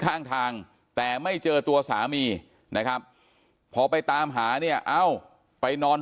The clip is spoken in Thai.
ข้างทางแต่ไม่เจอตัวสามีนะครับพอไปตามหาเนี่ยเอ้าไปนอน